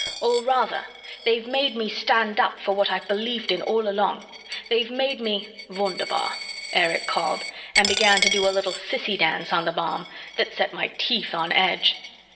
"Or, rather, they've made me stand up for what I've believed in all along. They've made me " "Wunderbar," Erich called and began to do a little sissy dance on the bomb that set my teeth on edge.